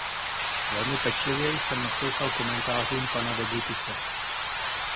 Velmi pečlivě jsem naslouchal komentářům pana Degutise.